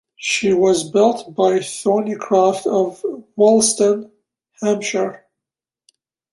She was built by Thornycroft of Woolston, Hampshire.